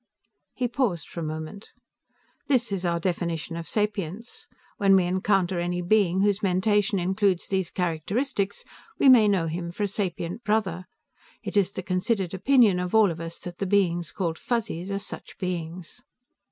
He paused for a moment. "This is our definition of sapience. When we encounter any being whose mentation includes these characteristics, we may know him for a sapient brother. It is the considered opinion of all of us that the beings called Fuzzies are such beings."